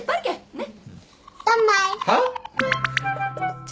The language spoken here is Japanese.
ねっ？